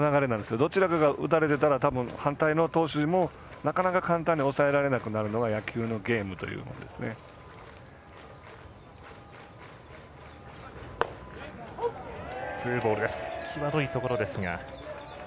どちらかが打たれてたら反対の投手陣もなかなか簡単に抑えられなくなるのは野球のゲームというものです。